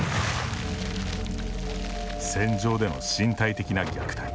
船上での身体的な虐待。